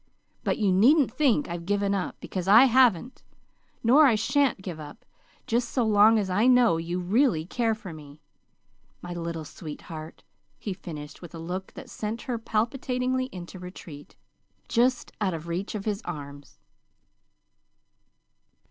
"But you needn't think I've given up because I haven't. Nor I sha'n't give up, just so long as I know you really care for me, my little sweetheart," he finished, with a look that sent her palpitatingly into retreat, just out of reach of his arms.